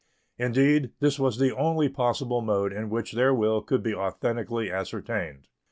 Indeed, this was the only possible mode in which their will could be authentically ascertained.